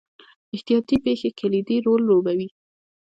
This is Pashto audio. احتیاطي پېښې کلیدي رول لوبوي.